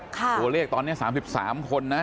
ตัวเลขตอนนี้๓๓คนนะ